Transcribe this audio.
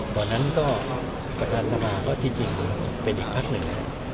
ตอนนั้นก็ประธานสภาก็ที่จริงเป็นอีกพักหนึ่ง